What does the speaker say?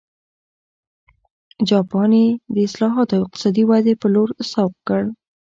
جاپان یې د اصلاحاتو او اقتصادي ودې په لور سوق کړ.